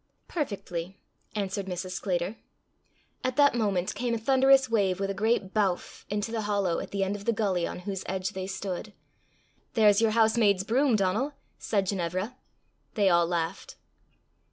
"Perfectly," answered Mrs. Sclater. At that moment came a thunderous wave with a great bowff into the hollow at the end of the gully on whose edge they stood. "There's your housemaid's broom, Donal!" said Ginevra. They all laughed.